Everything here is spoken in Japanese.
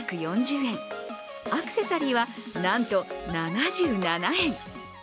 アクセサリーはなんと７７円。